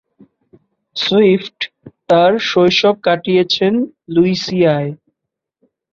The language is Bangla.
সুইফট তার শৈশব কাটিয়েছেন লুইসিয়ায়।